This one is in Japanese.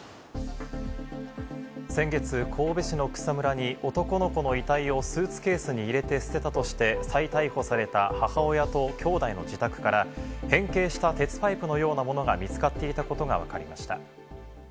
先月、神戸市の草むらに男の子の遺体をスーツケースに入れて捨てたとして再逮捕された母親ときょうだいの自宅から変形した鉄パイプのようなものが見つかっていたことがわかりました。